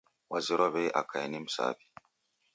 Wazerwa w'ei akae ni msaw'i.